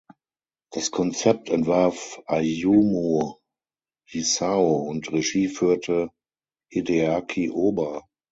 Das Konzept entwarf Ayumu Hisao und Regie führte Hideaki Oba.